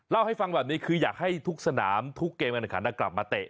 เล่าให้ฟังแบบนี้คืออยากให้ทุกสนามทุกเกมการขันกลับมาเตะ